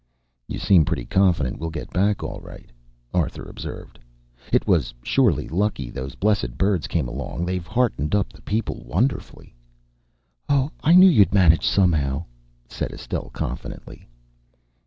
"You seem pretty confident we'll get back, all right," Arthur observed. "It was surely lucky those blessed birds came along. They've heartened up the people wonderfully!" "Oh, I knew you'd manage somehow!" said Estelle confidently.